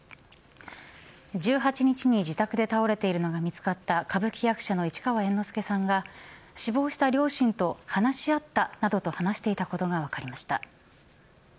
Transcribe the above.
１８日に自宅で倒れているのが見つかった歌舞伎役者の市川猿之助さんが死亡した両親と話し合ったなどと話していたことが分かりました。